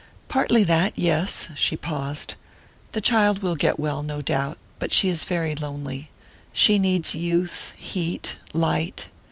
"Partly that yes." She paused. "The child will get well, no doubt; but she is very lonely. She needs youth, heat, light.